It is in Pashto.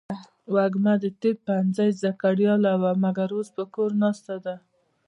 وږمه د طب پوهنځۍ زده کړیاله وه ، مګر اوس په کور ناسته ده.